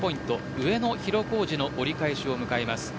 上野広小路の折り返しを迎えます。